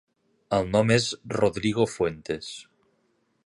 El nom és Rodrigo Fuentes.